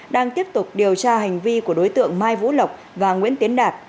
đang tiếp tục điều tra hành vi của đối tượng mai vũ lộc và nguyễn tiến đạt